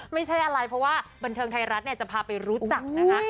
ไม่ใช่อะไรเพราะว่าบันเทิงไทยรัฐจะพาไปรู้จักนะคะ